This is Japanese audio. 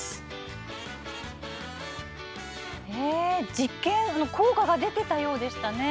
実験、効果が出ていたようでしたね。